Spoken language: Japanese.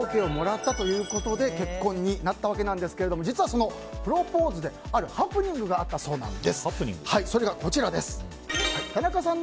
プロポーズをしてＯＫをもらったということで結婚になったわけですが実は、プロポーズであるハプニングがあったそうなんです。